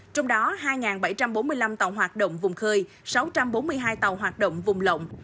trong đó hai bảy trăm bốn mươi năm tàu hoạt động vùng khơi sáu trăm bốn mươi hai tàu hoạt động vùng lộng